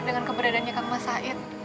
dengan keberadaannya kak mas said